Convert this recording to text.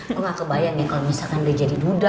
lu ga kebayang ya kalo misalkan dia jadi duda